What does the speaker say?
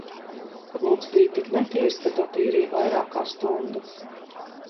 Logs bija tik netīrs, ka to tīrīja vairāk kā stundu